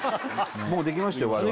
もうできましたよ